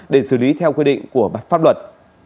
để xử lý theo quy định của pháp luật